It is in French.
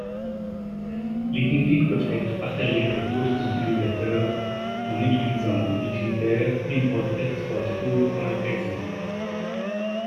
Les configs peuvent être partagées avec d'autres utilisateurs en utilisant l'utilitaire ImportExportTool.exe.